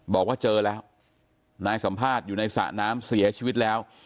บอกว่าเจอแล้วนายสัมภาษณ์อยู่ในสระน้ำเสียชีวิตแล้ว